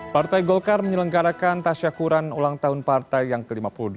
partai golkar menyelenggarakan tasyakuran ulang tahun partai yang ke lima puluh delapan